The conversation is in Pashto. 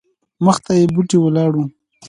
مخته یې بوټې ولاړ وو.